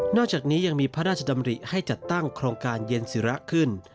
อกจากนี้ยังมีพระราชดำริให้จัดตั้งโครงการเย็นศิระขึ้น